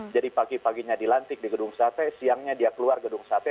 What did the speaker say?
jadi pagi paginya dilantik di gedung sate siangnya dia keluar gedung sate